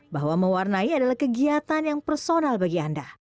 bahwa mewarnai adalah kegiatan yang personal bagi anda